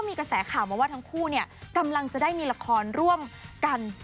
มีกระแสข่าวมาว่าทั้งคู่เนี่ยกำลังจะได้มีละครร่วมกัน